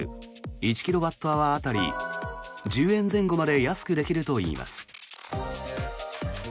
１キロワットアワー当たり１０円前後まで安くできるといいます。